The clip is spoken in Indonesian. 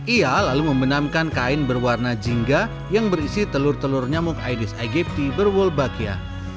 ia lalu membenamkan kain berwarna jingga yang berisi telur telur nyamuk aedes aegypti berwolbakia